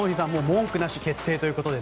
文句なし、決定ということで。